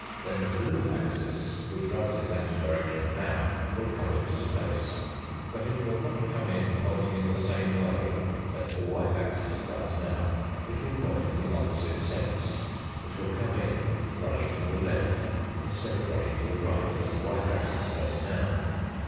Then the blue axis, which runs in that direction now will come into space. But it will not come in pointing in the same way that the white axis does now. It will point in the opposite sense. It will come in running to the left instead of running to the right as the white axis does now.